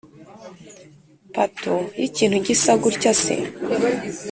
patos yikintu gisa gutya se